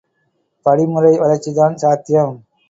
படிமுறை வளர்ச்சிதான் சாத்தியம்!